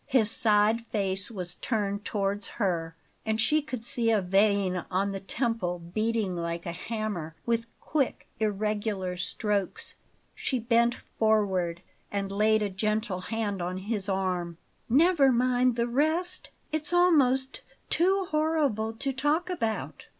His side face was turned towards her, and she could see a vein on the temple beating like a hammer, with quick, irregular strokes. She bent forward and laid a gentle hand on his arm. "Never mind the rest; it's almost too horrible to talk about."